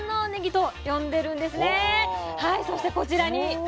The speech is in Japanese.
そしてこちらに。